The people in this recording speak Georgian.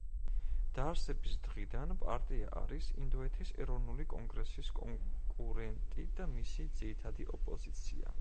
დაარსების დღიდან პარტია არის ინდოეთის ეროვნული კონგრესის კონკურენტი და მისი ძირითადი ოპოზიცია.